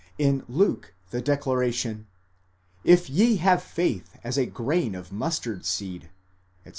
In Luke the declaration: 27. ye have faith as a grain of mustard seed, etc.